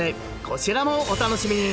こちらもお楽しみに！